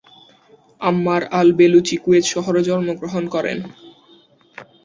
আম্মার al Baluchi Kuwait শহরে জন্মগ্রহণ করেন।